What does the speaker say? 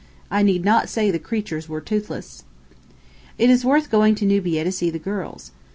I need not say the creatures were toothless. It is worth going to Nubia to see the girls.